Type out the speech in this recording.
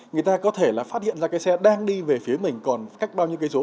người ta có thể là phát hiện ra cái xe đang đi về phía mình còn cách bao nhiêu cây số